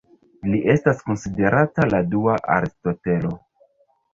Li estas konsiderata la dua Aristotelo.